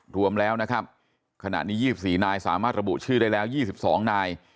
รวมแล้วนะครับขณะนี้๒๔นายสามารถระบุชื่อได้แล้ว๒๒นาย